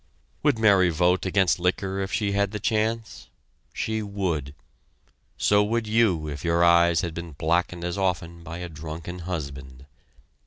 Would Mary vote against liquor if she had the chance? She would. So would you if your eyes had been blackened as often by a drunken husband.